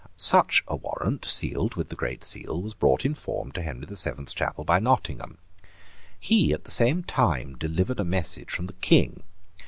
Such a warrant, sealed with the great seal, was brought in form to Henry the Seventh's Chapel by Nottingham. He at the same time delivered a message from the King.